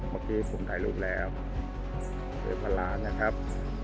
เมื่อกี้ผมถ่ายรูปแล้วเหลือพันล้านนะครับ